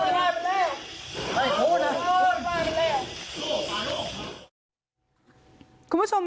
สวัสดีครับทุกคน